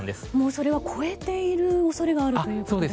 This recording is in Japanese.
それは超えている恐れがあるということですか。